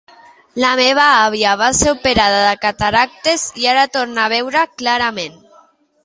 La meva avia va ser operada de cataractes i ara torna a veure clarament.